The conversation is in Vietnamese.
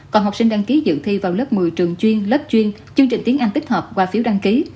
còn học sinh đăng ký dự thi vào lớp một mươi trường chuyên lớp chuyên chương trình tiếng anh tích hợp qua phiếu đăng ký